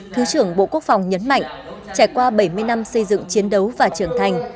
thứ trưởng bộ quốc phòng nhấn mạnh trải qua bảy mươi năm xây dựng chiến đấu và trưởng thành